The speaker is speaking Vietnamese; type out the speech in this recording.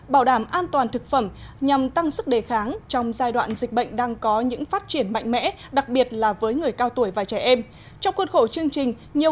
bảo đảm an toàn thực phẩm nhằm tăng sức đề kháng trong giai đoạn dịch bệnh đang có những phát triển mạnh mẽ